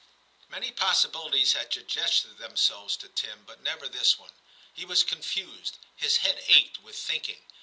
Many possibilities had suggested themselves « TIM 263 to Tim, but never this one. He was con fused ; his head ached with thinking.